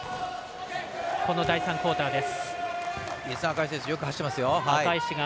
この第３クオーターです。